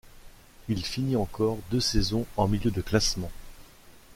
Il finit encore deux saisons en milieu de classement.